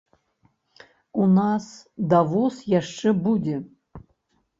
У нас давоз яшчэ будзе.